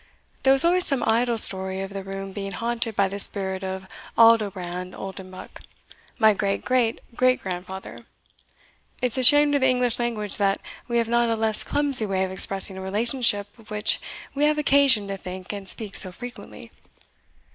There was always some idle story of the room being haunted by the spirit of Aldobrand Oldenbuck, my great great great grandfather it's a shame to the English language that, we have not a less clumsy way of expressing a relationship of which we have occasion to think and speak so frequently.